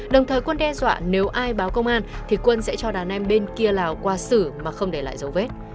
đồng thời quân đe dọa nếu ai báo công an thì quân sẽ cho đàn em bên kia lào qua xử mà không để lại dấu vết